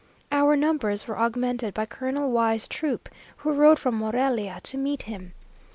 Our numbers were augmented by Colonel Y 's troop, who rode from Morelia to meet him.